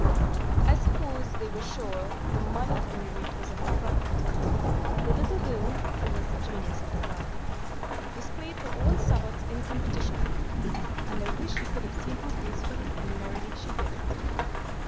I suppose they were sure the mud at any rate was a home product. The little girl (who was the genius of the party) displayed her own sabots in competition; and I wish you could have seen how gracefully and merrily she did it.